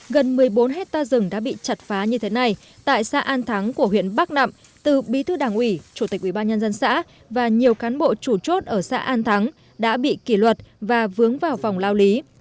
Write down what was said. gần một mươi bốn hectare rừng đã bị chặt phá như thế này tại xã an thắng của huyện bắc nậm từ bí thư đảng ủy chủ tịch ubnd xã và nhiều cán bộ chủ chốt ở xã an thắng đã bị kỷ luật và vướng vào vòng lao lý